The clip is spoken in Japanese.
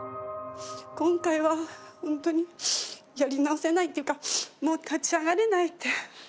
今回は本当にやり直せないというかもう立ち上がれないって。